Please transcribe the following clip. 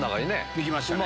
いきましたね。